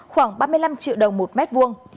khoảng ba mươi năm triệu đồng một mét vuông